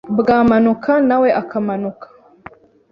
bwamanuka nawe akamanuka